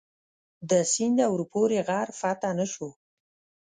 له سینده ورپورې غر فتح نه شو.